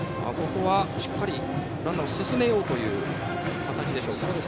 ここは、しっかりランナーを進めようという形でしょうか。